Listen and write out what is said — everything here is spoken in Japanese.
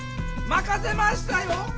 まかせましたよ！